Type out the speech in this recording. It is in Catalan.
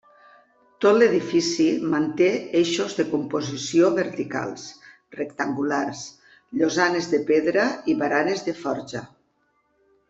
Tot l'edifici manté eixos de composició verticals rectangulars, llosanes de pedra i baranes de forja.